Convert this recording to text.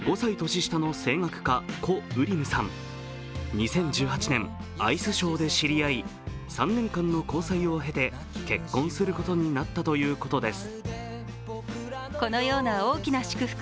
２０１８年、アイスショーで知り合い３年間の交際を経て結婚することになったということです。